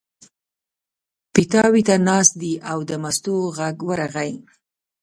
پیتاوي ته ناست دی او د مستو غږ ورغی.